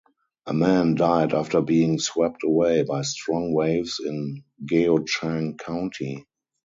A man died after being swept away by strong waves in Geochang County.